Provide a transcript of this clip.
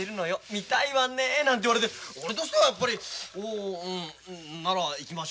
見たいわねえ」なんて言われて俺としてはやっぱり「おおうんなら行きましょう」。